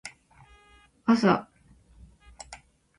あさ